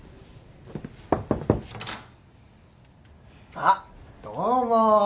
あっどうも。